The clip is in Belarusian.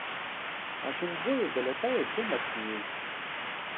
А шум бою далятае ўсё мацней.